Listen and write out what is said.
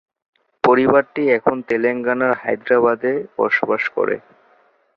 পরিবারটি এখন তেলেঙ্গানার হায়দ্রাবাদ এ বাস করে।